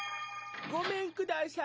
ごめんください。